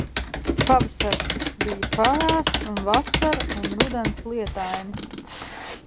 Pavasars bij pavēss un vasara un rudens lietaini.